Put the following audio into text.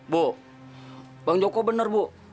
bu bang joko benar bu